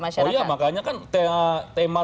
oh iya makanya kan tema